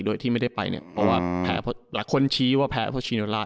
โดยที่ไม่ได้ไปเนี่ยเพราะว่าแพ้เพราะหลายคนชี้ว่าแพ้เพราะชิโนลา